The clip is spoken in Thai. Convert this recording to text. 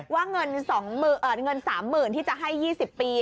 ว่าเงิน๓๐๐๐ที่จะให้๒๐ปี